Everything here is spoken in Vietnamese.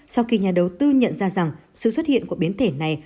sau khi nhà đầu tư nhận ra rằng sự xuất hiện của biến thể này